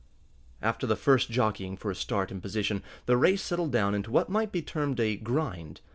After the first jockeying for a start and position, the race settled down into what might be termed a "grind."